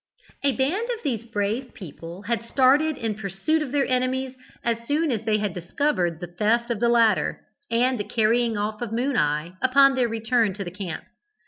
A band of these brave people had started in pursuit of their enemies as soon as they had discovered the theft of the latter, and the carrying off of Moon eye, upon their return to the camp.